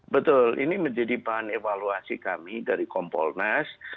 betul ini menjadi bahan evaluasi kami dari kompolnas